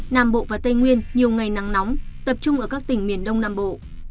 nam bộ và tây nguyên nhiều ngày nắng nóng tập trung ở các tỉnh miền đông nam bộ